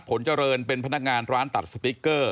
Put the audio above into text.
ผลเจริญเป็นพนักงานร้านตัดสติ๊กเกอร์